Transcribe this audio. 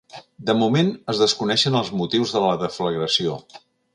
De moment es desconeixen els motius de la deflagració.